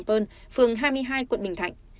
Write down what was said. phường hai mươi hai quận bình thạnh